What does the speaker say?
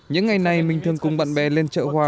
những ngày này mình thường cùng bạn bè lên chợ hoa